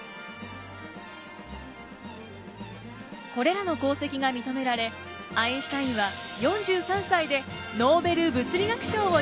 これらの功績が認められアインシュタインは４３歳でノーベル物理学賞を受賞！